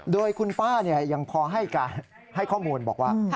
โดยคุณป้ายังพอให้ข้อมูลบอกว่า